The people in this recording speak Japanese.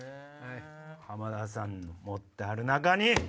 浜田さん持ってはる中に！